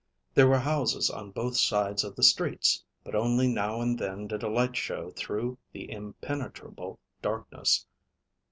There were houses on both sides of the streets, but only now and then did a light show through the impenetrable darkness.